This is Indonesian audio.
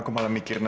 aku adalah dirinya